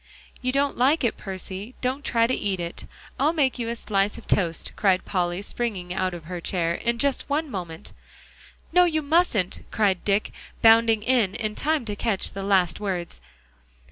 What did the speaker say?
"You don't like it, Percy; don't try to eat it. I'll make you a slice of toast," cried Polly, springing out of her chair, "in just one moment." "No, you mustn't," cried Dick, bounding in in time to catch the last words.